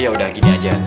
yaudah gini aja